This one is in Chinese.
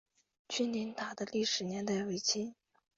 君灵塔的历史年代为清。